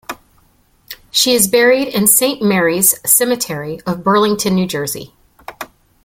She is buried in Saint Mary's Cemetery of Burlington, New Jersey.